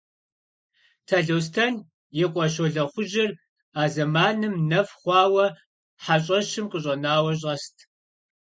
Талъостэн и къуэ Щолэхъужьыр а зэманым нэф хъуауэ хьэщӀэщым къыщӀэнауэ щӀэст.